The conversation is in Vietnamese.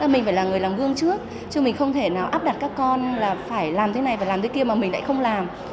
mình phải là người làm gương trước chứ mình không thể nào áp đặt các con là phải làm thế này và làm thế kia mà mình lại không làm